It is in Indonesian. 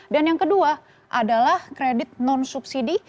dan yang kedua adalah kredit non subsidi